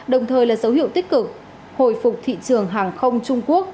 đồng thời là dấu hiệu tích cực hồi phục thị trường hàng không trung quốc